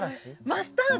マスタード。